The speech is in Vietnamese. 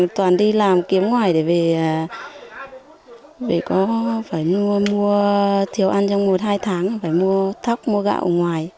toàn đi làm kiếm ngoài để về có phải mua thiếu ăn trong một hai tháng phải mua thóc mua gạo ở ngoài